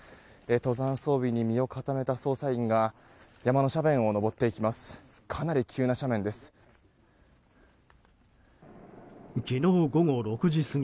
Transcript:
登山装備に身を固めた捜査員が山の斜面を登っていきます。